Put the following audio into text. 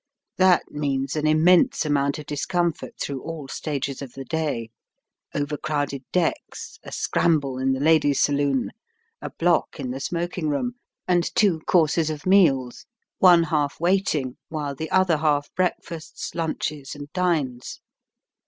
That means an immense amount of discomfort through all stages of the day — overcrowded decks, a scramble in the ladies* saloon, a block in the smoking room, and two courses of meals, one half waiting while the other half breakfasts, lunches, and dines.